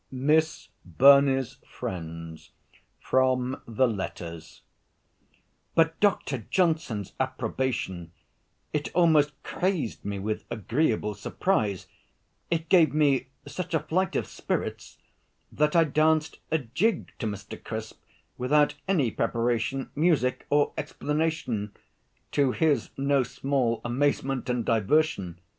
MISS BURNEY'S FRIENDS From the 'Letters' But Dr. Johnson's approbation! it almost crazed me with agreeable surprise it gave me such a flight of spirits that I danced a jig to Mr. Crisp, without any preparation, music, or explanation to his no small amazement and diversion.